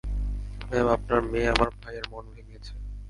Ma'am, আপনার মেয়ে আমার ভাইয়ের মন ভেঙ্গেছে।